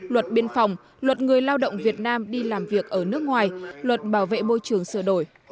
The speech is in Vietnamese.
luật biên phòng luật người lao động việt nam đi làm việc ở nước ngoài luật bảo vệ môi trường sửa đổi